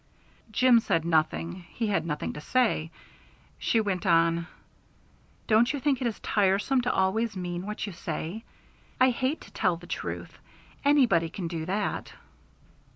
Jim said nothing; he had nothing to say. She went on: "Don't you think it is tiresome to always mean what you say? I hate to tell the truth. Anybody can do that."